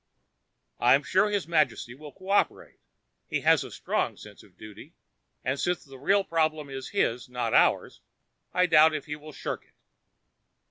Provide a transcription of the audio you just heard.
"I'm sure His Majesty will cooperate. He has a strong sense of duty and since the real problem is his, not ours, I doubt if he will shirk it."